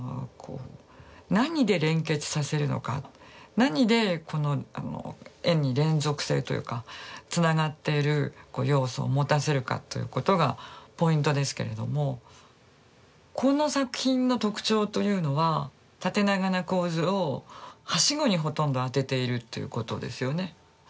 こう何で連結させるのか何でこのあの絵に連続性というかつながっている要素を持たせるかということがポイントですけれどもこの作品の特徴というのは縦長な構図をはしごにほとんど当てているということですよね。